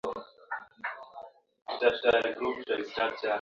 zinachukulia vyombo vya habari na wanahabari kama adui zao